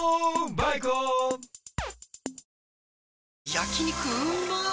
焼肉うまっ